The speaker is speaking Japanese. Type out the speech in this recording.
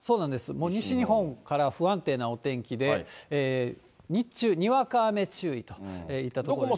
もう西日本から不安定なお天気で、日中、にわか雨注意といったところです。